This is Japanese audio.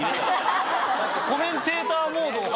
コメンテーターモード入って。